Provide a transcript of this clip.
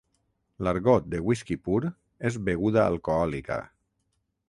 L'argot de whisky pur és beguda alcohòlica.